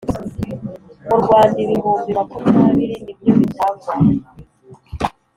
Murwanda ibihumbi makumyabiri nibyo bitangwa.